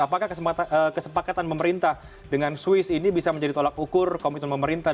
apakah kesepakatan pemerintah dengan swiss ini bisa menjadi tolak ukur komitmen pemerintah